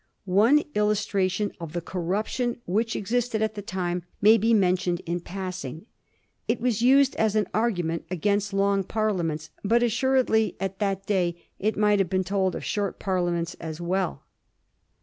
One illustra tion of the corruption which existed at the time may be mentioned in passing. It was used as an argument against long Parliaments, but assuredly at that day it might have been told of short Parliaments as well.